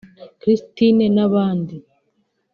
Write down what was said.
Christine n’ abandi